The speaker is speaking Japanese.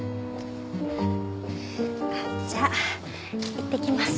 じゃあいってきます。